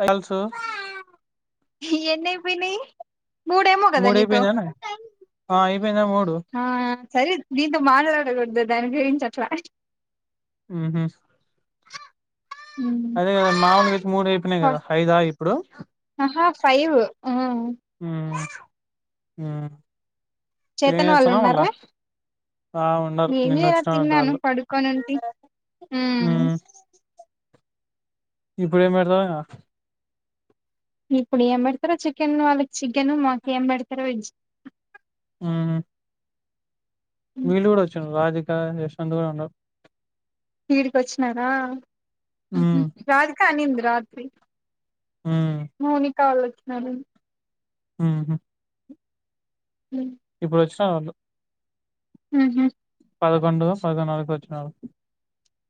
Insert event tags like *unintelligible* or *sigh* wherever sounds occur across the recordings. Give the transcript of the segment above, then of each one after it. అయల్ చూ *unintelligible* ఎన్ని అయిపోనాయ్ మూడేమో కదా మూడు నీతో అయిపోయిందానే ఆ అయిపోయిందా మూడు ఆ సరే *unintelligible* *unintelligible* ఆహ ఉమ్. *unintelligible* మూడు అయిపోయినాయి కదా ఐదా ఇప్పుడు ఆహా ఫైవ్ ఉ హ చేతన్ వాళ్ళు ఉన్నార్ రా ఆ ఉన్నారు ఏం నిన్న చేయాలా వచ్చినారంట తిన్నాను వాళ్ళు పడుకోని ఉంటి ఉమ్ ఇప్పుడు ఏమి పెడతవా ఇప్పుడు ఏం పెడతారా చికెన్ వాళ్ళకి చికెన్ మాకు ఏం పెడతారా వెజ్ ఆ *unintelligible* *unintelligible* ఈడికి వచ్చినారా ఉమ్ రాధిక అనింది రాత్రి ఉమ్ *unintelligible* *unintelligible* హ *inaudible* ఇప్పుడు వచ్చినా వాళ్ళు హ పదకొండు పదనాలుగు వచ్చినారు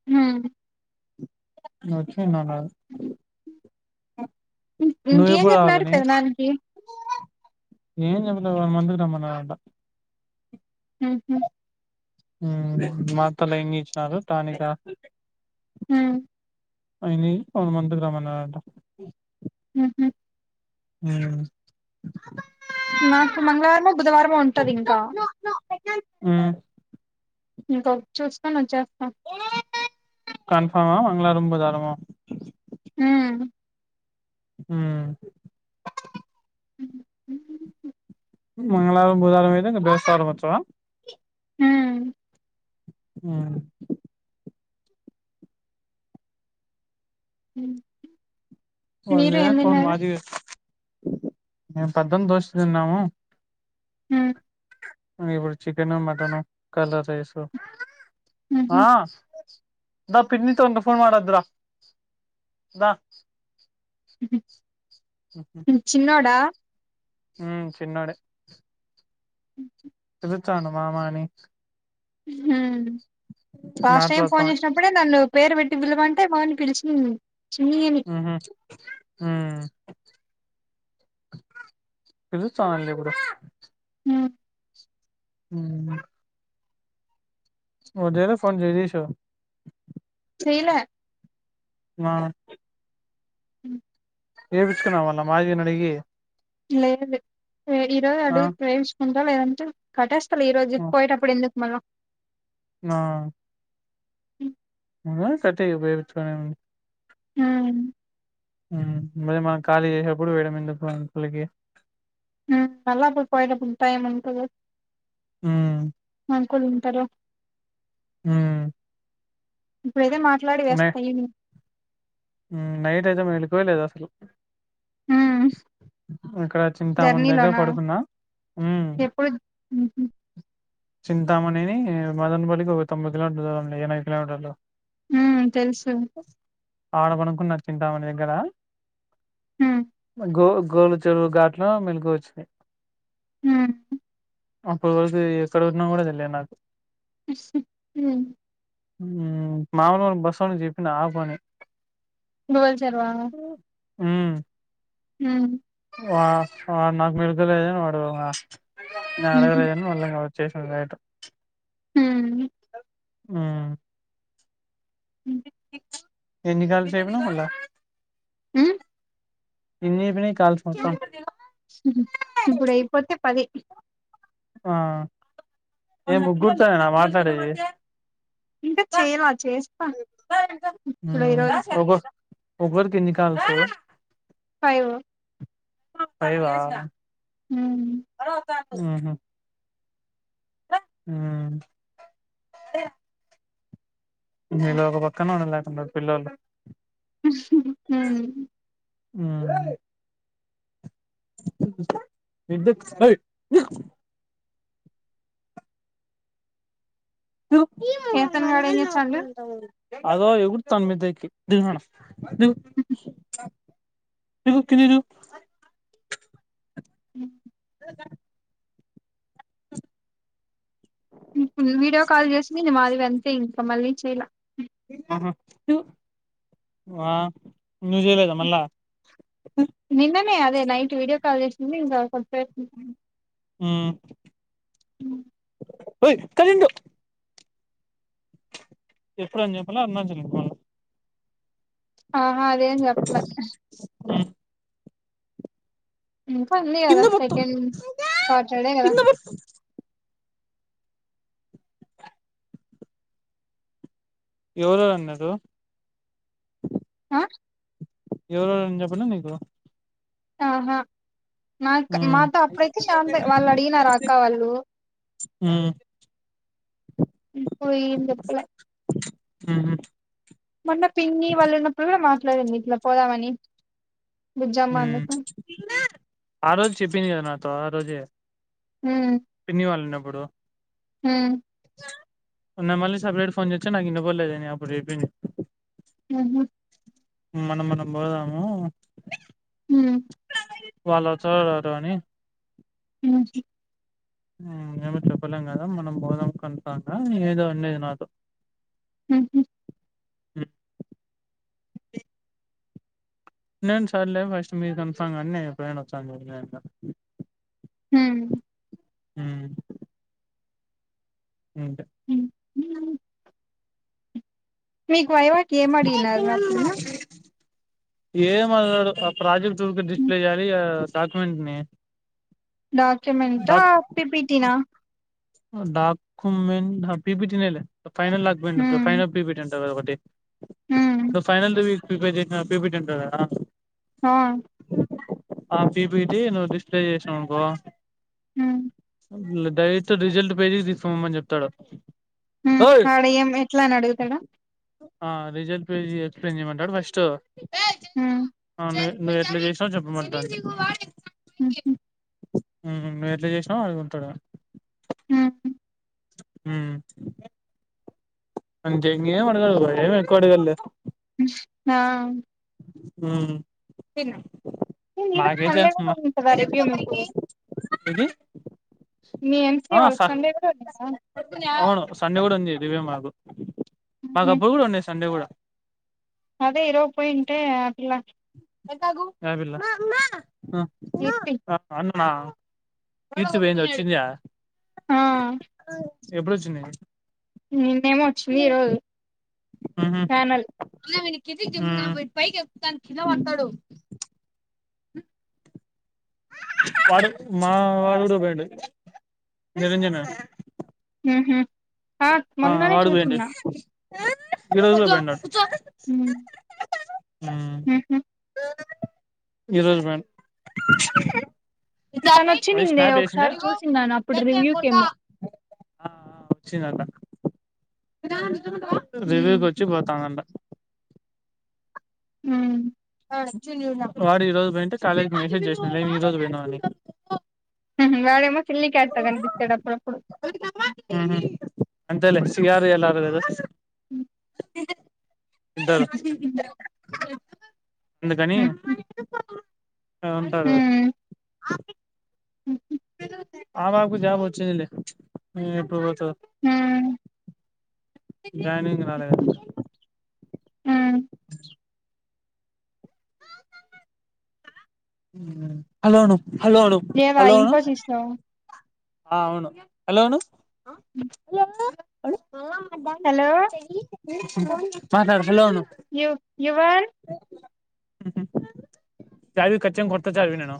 హ అ ఉనానా ఇంకేం చెప్పినారు రావాలని పెదనాన్న కి ఏం చెప్పాలే వన్ మంత్ కి రమ్మన్నాడంట ఆహ ఉమ్ మాత్రలు ఇంక ఇచ్చినారు టానిక్ ఆ ఉమ్ *inaudible* అయిన కొన్ మతుకి రమ్మన్నారంట హహ అ నాకు మంగళవారమో బుధవారమో ఉంటది ఇంకా ఆ ఇంక చూసుకొని వచ్చే ఆ కన్ఫార్మా వాంగ్ రొ తరమా హ హ మంగళవారం బుధవారం అయిదు దోసవారం వచ్చ ఉమ్ ఆ హ వళ్ళే ఫోన్ మాదివ మేము పెద్దని దోషి తిన్నాము హ ఇప్పుడు చికెన్ మటన్ కలర్ రైస్ ఉహు ఆా దా పిడ్నీ తగ ఫోన్ మద్రా దా హ చిన్నోడా హ చిన్నడ తర్చను మామాని ఫలాస్ట్ టైం మాట్లాడుతాం ఫోన్ చేసినప్పుడే నన్ను పేరు పెట్టి పిలవంటే బాని పిలిచి ఆహా ఆ ఇ చలే ప ఉమ్ హ వర ఫోన్ జయరిస చేలే ఆ హ చేయిచ్చుకున్నాం వళ్ళ మాగని అడిగి లే లే ఇరో ఆ అడుగు ఉంటాల ఏదంట కట్టేస్త ఈ రజు పోయి అడు ఎందుకు మన ఆ మ్ అ కట్టపోయి ఉపయోగించుకొని ఎ మ్ మ్ మేమ ఖాళీ చేసేనప్పుడు వేయడం ఎందుకు *unintelligible* నల్ పోయి పోయిటప్పుడు టైం ఉంట మ్ అంకుల్ ఉంటారో మ్ ఇప్పుడు అయితే మాట్లాడి వేస్ట్యి మ్ నైట్ అయితే మెలుకువే లేదు అసలు ఉమ్ ఇక్కడ చింతామందిగా జర్నీలోనా పడుకున్నా మ్ ఎప్పుడు చింతామణిని మదన్ బల్లికి ఒక తొంభై కిలోమీటర్ దూరండి ఎనభై కిలోమీటర్లు మ్ తెలుసు ఆడబడుకున్న చింతామణి దగ్గర మ్ గో గోళ చెరువు ఘాట్లో మెలుకువ వచిన్నయ్ మ్ అప్పటి వరకు ఎక్కడ ఉన్నా కూడా తెలిలే నాకు మ్ మ్ మామలు బస చేపిన అ ఫో గువల్ జర్వా మ్ మ్ ఆ వాడు నాకు మిరుతలేద వాడు న అడగ్ర ఉహు మల్ స్టేషన్యిట హ ఆ హ ఏ నిఘల్తేపునా మళ్ళ ఆ ఇన్ని పని కల్ సస ఇప్పుడు అయిపోతే పదే ఆ ఏ ఉమ్, ముగ్గుర్తా నా మా సరే ఇంకా చేయలా చేస్తా ఇప్పుడు్య రోజు గరుకిన్ని కాలతు ఫై సయి వా హ మ్మ్ హ్మ్ మ్మ్ నీ లో పక్కన ఆన లాగా అన్న పిల్లలు మ్మ్ మ్మ్ విద్ స నో కేతన్ గాడు ఏం చేస్తాండు అదో ఎగుర్తన్ మిద్దెక్కి దిగు నా నా దిగు కిందికి దిగు మ్మ్ ఇప్పుడూ వీడియో కాల్ చేసి మీ ని మారి ంతే ఇంకా మళ్ళీ చేయాల ఆహా వా న్ూజలోదా మళ్ళా నిన్ననే అదే నైట్ వీడియో కాల్ చేసింది ఇంకా ఒక చేసింద్ మ్మ్మ్ ఎయ్ కలిం ఎప్పుడు అని చెప్పలా అరుణాచలంకి ఆహా అదేం చెప్పలే ఇంకా ఉంది కదా కింద పట్టు సెకండ్ సాటర్డే కదా కింద పట్టు ఎవరెవరు ఉన్నారు ఆ ఎవరేం చెప్పనా నీకు ఆహా నాక్ మ్మ్ మాతో అప్పుడైతే శాంత వాళ్ళు అడిగినారు అక్క వాళ్ళు మ్మ్ మ్మ్ పోయిందిప్పులే మ్మ్మ్ మొన్న పిన్నీ వళ్ళీనప్పుడు మాత్ విట్ల వీట్ల పోదామని బుజ్జమ్మ మ్మ్ అందుకు ఆ రోజు చెప్పింది కదా నాకు తా రోజె పిన్నీ వాళ్ళ ఉన్నప్ ప్పుడు మ్మ్ నే మళ్ళీ సెపరేట్ ఫోన్ చేస్తే నాకినపల్లేదే నే అప్పుడు చెప్పింది ఉహు మనం మనం పోదాము హ వాళ్ళ చారు అని అ మేమ చెప్పలేం కదా మనం బోదాం కతాంగా ఏదో అండది నాతో ఉహు అ నేను సార్లే ఫస్ట్ మీ కసాం కానీ నను ఎప్పుైన్ వచ్చాను హ హ ఉంటా హ మీకు వైవాటి ఏం అడిగిన అప్పుడున్న ఏండు ఆ ప్రాజెక్ట్ డిస్ప్లే చేయాలి ఆ డాక్యుమెంట్ ని డాక్యుమెంట్ా పిపిటినా డాకు మ పీపిటిినల ఫైైనల్ ఆక్బండి ఉమ్ ఫైననల్ బండి ఉమ్ టి ఫైనల్ ద వక్ప పెట్ంటారా హా ఆ పిబది నువ్వు డిస్ప్లే చేసావునుకో ఉమ్ స అ రిజల్ట్ పేజీ తీసుకోమని చెప్తాడు ఆడయంం ఎట్లా అని అడుగుతాడు ఆ రిజల్ట్ ఎక్స్ప్లెయిన్ చేయమంటాడు ఫస్ట్ ఏ ఉమ్ జయ నువ్వు ఎట్లా చేసా చెప్పమంట ఉహు మ ఎట్లా చేసినాో అడుగుంటాడు హ ఆ అ చె అడుగ పో మకు అడుగల హా న్న ఈరోజు సండే కూడా ఉ కదా రివ్యూ మీకు ఇది మీ ఎంసఏ ఆ వాళ్ళకి స సండే కూడా ఉందిందా అవును సండే కూడా ఉంది ఇవే మాకు అ మాకు ఊహూ అబ్బలు కూడా ఉన్నాయి సండే కూడా అదే ఇరవ పాయింట్ అట్లా అమ్ కీర్తి వునా తీచవేంది వచ్చింద్యా ఆ ఎబ్బుడొచ్చిన్యాయ్ నిన్నేమో వచ్చింది ఈరోజు ఉహు ప్యానల్ హుమ్ వాడు మా వాడుగుడు పోయిండు నిరంజన ఉ హ్మ్ ఆ మొన్ననే చూచున్నా ఈరోజు కూడ ఒకడున్నాడ్ మ్మ్ మ్మ్ హ్మ్ ఈరోజు పోయిన్ తను వచ్చి నిన్ను ఒకసారి చూసిందను అప్పుడు రివ్యూస్ ఏమో ఆ ఆ వొ చిన్ అట రాను ఊమ్ రివ్యూకి వచ్చి పోతామంట ఊ వాడు ఈ రోజు పోయింటే కాలేజ్ కి మెసేజ్ చేసినా ఏం ఈ రోజు పోయినావ్ అని వాడె ఏమో సిల్లీ కాట్ గా కనిపిత్తాడు అప్పుడప్పుడు ఊహూ అంతలే సి ఆర్ గా ఎళ్ళారు గదా ఊ అంటారు అందుకని ఊమ్ ఆ ఉంటారు ఊ ఆ పాపకూ జాబ్ వచ్చింది లే ఈ ఎప్పుడు బోతాదో ఊ జాయినింగ్ రాలేదే ఊమ్ ఊ అలోను లేవా ఇన్ఫోసిస్ లో ఆ అవును హలో అవును మద హలో స మాట వ చవి కచ్చం కొర్త చ నను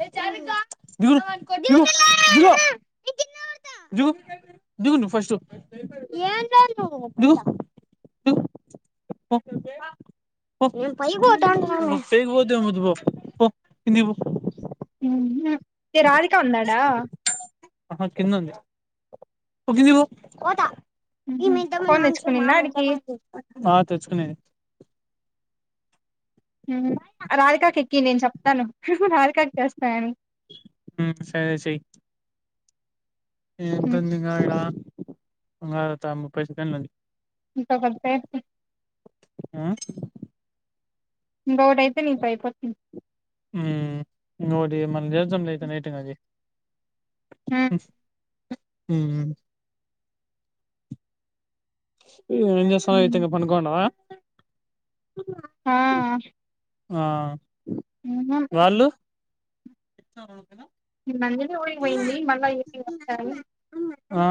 బ ఫకు మధ న రాధిక ఉన్నాడా ఆహా కందంది ఒకక ఫోన్ తెచ్చుకునిందా ఆడికి బా తెచ్చుకుది రాధికాక ఎక్కి నేను చెప్తాను రాధికాకి చేస్తానని సరే సయి ఏంతందింగ్ అగడా అంగ తమ్ పైస కనీ లేంది ఇకతే ఆ బోట అయితే న పైపో నోడి మళ్ నటిది మీ ఎంజమయితేం పనుకోడా మీ ఆ క ఆ వాళ్ళు ఇచ్చనా అందునే ఊడిపోయింది మళ్ళీ ఏ వస్తారు ఆ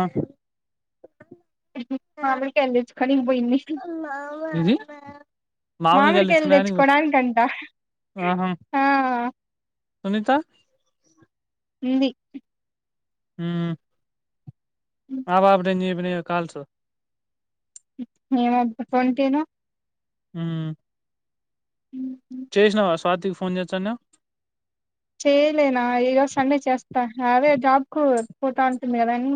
మీ కడి కానీ పోయిన్ని ఇది మామిడి కాయలు కలు తెచ్చుకునేదానికి పో తెచ్చకోడా కంటా ఆహా ఆ సునీత ఉంది హ మా బబడని త కాల్స్ నే కొంటేను హ ఉ చేసినావా స్వాతికి ఫోన్ చేసా నే చేయలేనా ఏదో సండే చేస్తా అదే జాబ్ కు పోతా ఉంటుంది కదన్నీ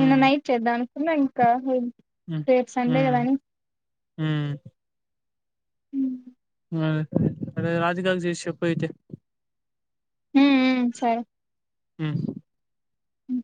నిన్న నైట్ద్దాను నాంకా సే సంండేగాదనీ ఆ ఉమ్మ్ అ అదే రాజు గారి చే చెప్పయితే హమ్ హమ్ సరే హమ్ అ